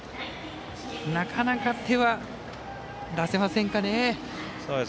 なかなか手は出せませんかね。